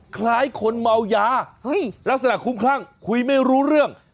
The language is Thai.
คล้ายคนเมายาลักษณะคุ้มคลั่งคุยไม่รู้เรื่อง